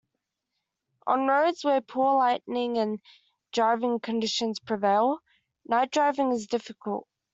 On roads where poor lighting and driving conditions prevail, night driving is difficult.